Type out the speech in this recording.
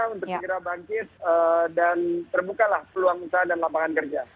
untuk segera bangkit dan terbukalah peluang usaha dan lapangan kerja